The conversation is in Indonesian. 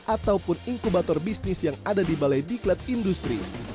ataupun inkubator bisnis yang ada di balai diklat industri